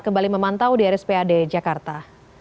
kembali memantau di rspad jakarta